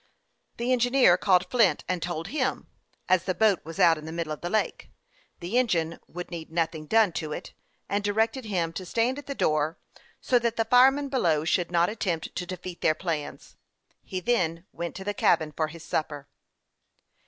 The engineer called Flint, and told him, as the boat was out in the middle of the lake, the engine would need noth ing done to it, and directed him to stand at the door, so that the fireman below should not attempt to defeat their plans. He then went to the cabin for his supper.